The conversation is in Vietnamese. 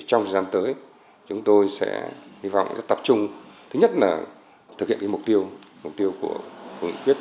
trong thời gian tới chúng tôi sẽ hy vọng tập trung thứ nhất là thực hiện mục tiêu mục tiêu của nghị quyết